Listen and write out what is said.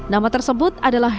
nama tersebut adalah